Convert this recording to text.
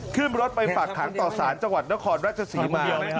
ขึ้นรถไปฝากขังต่อสารจังหวัดนครราชศรีมา